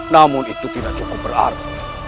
namun itu tidak cukup berarti